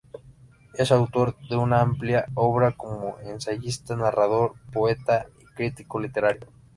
Es autor de una amplia obra como ensayista, narrador, poeta y crítico literario.